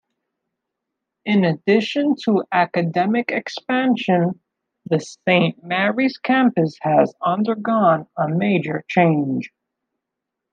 In addition to academic expansion, the Saint Mary's campus has undergone a major change.